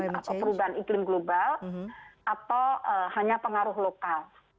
atau perubahan iklim global atau hanya pengaruh lokal